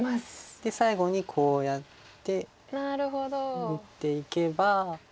で最後にこうやって打っていけば。